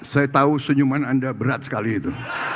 saya tahu senyuman anda berat sekali itu